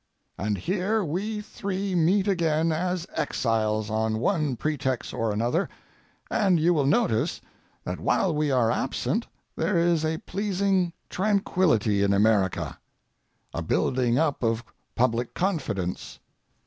And here we three meet again as exiles on one pretext or another, and you will notice that while we are absent there is a pleasing tranquillity in America—a building up of public confidence.